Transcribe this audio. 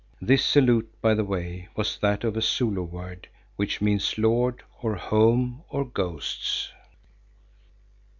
This salute, by the way, was that of a Zulu word which means "Lord" or "Home" of Ghosts.